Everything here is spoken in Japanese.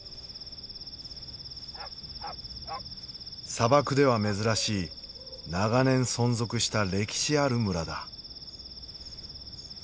砂漠では珍しい長年存続した歴史ある村だ。